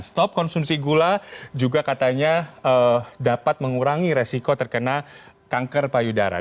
stop konsumsi gula juga katanya dapat mengurangi resiko terkena kanker payudara